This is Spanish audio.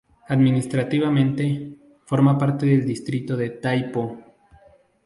Administrativamente, forma parte del distrito de Tai Po.